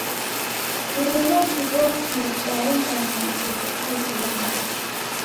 Iruw'a jighokie jaenja miengere aighu ya machi.